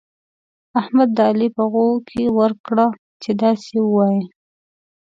احمد د علي په غوږو کې ورکړه چې داسې ووايه.